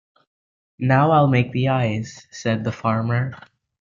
'Now I'll make the eyes,' said the farmer.